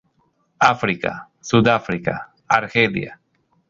África: Sudáfrica, Argelia.